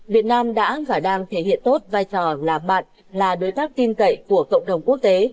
việt nam đã và đang thể hiện tốt vai trò là bạn là đối tác tin cậy của cộng đồng quốc tế